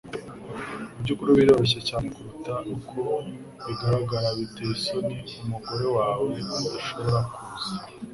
Mubyukuri biroroshye cyane kuruta uko bigaragara. Biteye isoni umugore wawe adashobora kuza.